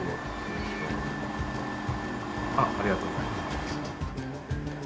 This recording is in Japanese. ありがとうございます。